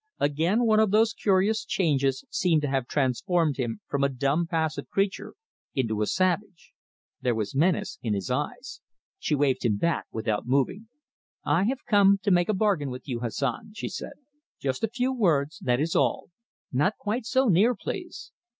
Again one of those curious changes seemed to have transformed him from a dumb, passive creature into a savage. There was menace in his eyes. She waved him back without moving. "I have come to make a bargain with you, Hassan," she said, "just a few words, that is all. Not quite so near, please."